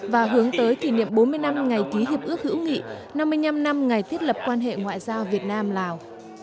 và hướng tới kỷ niệm bốn mươi năm ngày ký hiệp ước hữu nghị năm mươi năm năm ngày thiết lập quan hệ ngoại giao việt nam lào